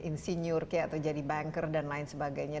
in senior kayak atau jadi banker dan lain sebagainya